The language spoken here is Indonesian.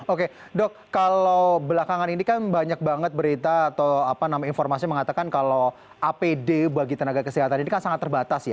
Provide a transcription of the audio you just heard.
oke dok kalau belakangan ini kan banyak banget berita atau informasi mengatakan kalau apd bagi tenaga kesehatan ini kan sangat terbatas ya